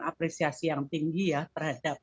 apresiasi yang tinggi ya terhadap